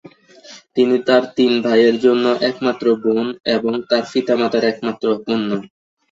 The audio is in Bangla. তিনি তার তিন ভাইয়ের জন্য একমাত্র বোন এবং তার পিতা-মাতার একমাত্র কন্যা।